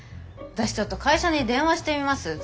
私ちょっと会社に電話してみます。